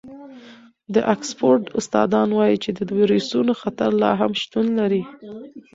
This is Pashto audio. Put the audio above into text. د اکسفورډ استادان وايي چې د وېروسونو خطر لا هم شتون لري.